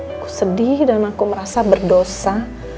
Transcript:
aku sedih dan aku merasa berdosa